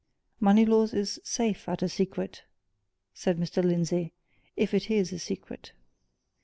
"Moneylaws is safe at a secret," said Mr. Lindsey. "If it is a secret."